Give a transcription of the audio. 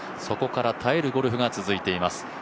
そこから耐えるゴルフが続いています。